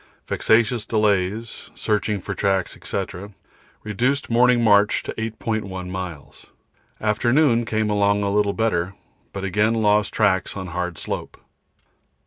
Vexatious delays, searching for tracks, &c., reduced morning march to 8.1 miles. Afternoon, came along a little better, but again lost tracks on hard slope.